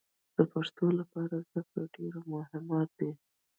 د پښتنو لپاره زدکړې ډېرې مهمې دي